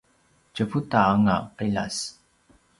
tjevuta anga qiljas